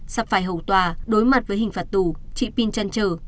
sắp phải hầu tòa đối mặt với hình phạt tù chị pin chăn trở